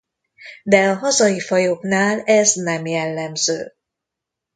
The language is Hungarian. De a hazai fajoknál ez nem jellemző.